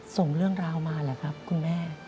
ส่งเรื่องราวมาเหรอครับคุณแม่